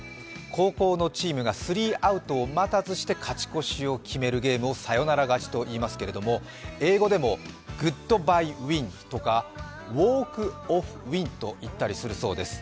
後攻のチームがスリーアウトを待たずして勝ち越しを決めるゲームをサヨナラ勝ちといいますけど英語でも、グッド・バイ・ウィンとかウォーク・オフ・ウィンと言ったりするそうです。